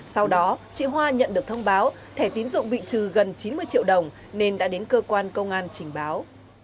sau đó chị hoa nhận được thông báo thẻ tín dụng bị trừ gần chín mươi triệu đồng nên đã đến cơ quan công an trình báo